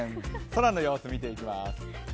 空の様子見てみます。